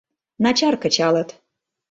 Начар кычалыт.